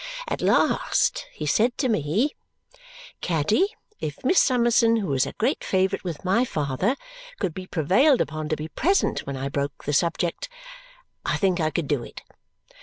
At last he said to me, 'Caddy, if Miss Summerson, who is a great favourite with my father, could be prevailed upon to be present when I broke the subject, I think I could do it.'